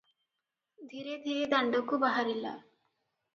ଧୀରେ ଧୀରେ ଦାଣ୍ଡକୁ ବାହାରିଲା ।